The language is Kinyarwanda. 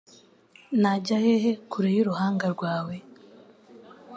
Najya hehe kure y’uruhanga rwawe?